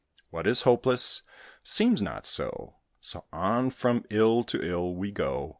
What is hopeless seems not so; So on from ill to ill we go.